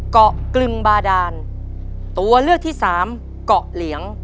เกาะกลึงบาดานตัวเลือกที่สามเกาะเหลียง